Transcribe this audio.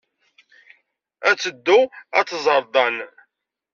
Ad teddu ad tẓer Dan.